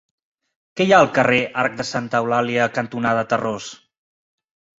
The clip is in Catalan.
Què hi ha al carrer Arc de Santa Eulàlia cantonada Tarròs?